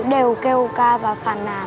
đều kêu ca và khả nạn